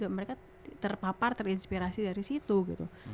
mereka terpapar terinspirasi dari situ gitu